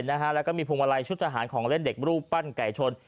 แล้วก็มีพวงมาลัยชุดทหารของเล่นเด็กรูปปั้นไก่ชน